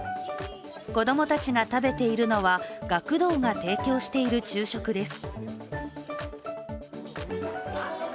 子供たちが食べているのは学童が提供している昼食です。